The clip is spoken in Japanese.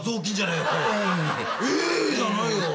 「ええ」じゃないよ！